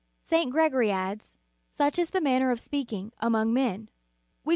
"J St. Gregory adds: "Such is the manner of speaking among men; we call * Navarr.